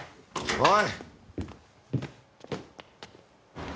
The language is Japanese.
おい！